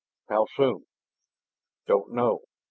"How soon?" "Don't know.